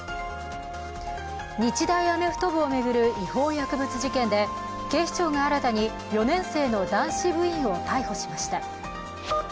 日大アメフト部を巡る違法薬物事件で警視庁が新たに４年生の男子部員を逮捕しました。